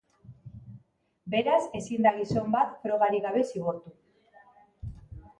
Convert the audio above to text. Beraz, ezin da gizon bat frogarik gabe zigortu.